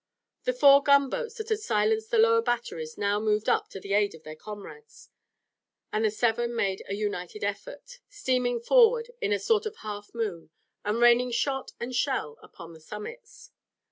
The four gunboats that had silenced the lower batteries now moved up to the aid of their comrades, and the seven made a united effort, steaming forward in a sort of half moon, and raining shot and shell upon the summits.